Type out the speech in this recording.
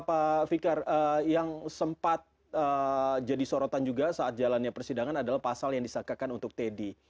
pak fikar yang sempat jadi sorotan juga saat jalannya persidangan adalah pasal yang disakakan untuk teddy